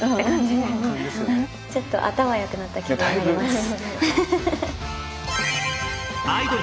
ちょっと頭よくなった気分になります。